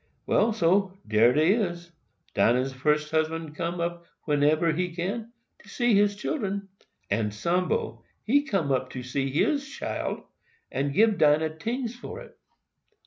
Well, so dere dey is.—Dinah's first husband come up wheneber he can, to see his children,—and Sambo, he come up to see his child, and gib Dinah tings for it.